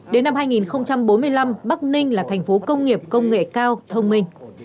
đến năm hai nghìn bốn mươi năm bắc ninh là thành phố công nghiệp công nghệ cao thông minh